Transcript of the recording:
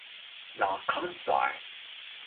羅漢齋